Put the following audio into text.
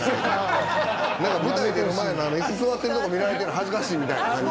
なんか舞台出る前の椅子座ってるとこ見られてるの恥ずかしいみたいな感じ。